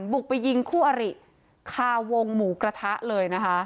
บุกไปยิงคู่อริคาวงหมูกระทะเลนะคะ